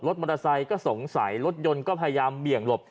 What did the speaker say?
มอเตอร์ไซค์ก็สงสัยรถยนต์ก็พยายามเบี่ยงหลบ